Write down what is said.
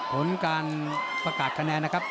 ผลการประกาศแขนด